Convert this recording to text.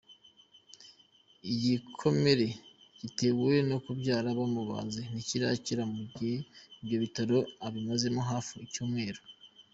Igikomere yatewe no kubyara bamubaze ntikirakira mu gihe ibyo bitaro abimazemo hafi icyumweru .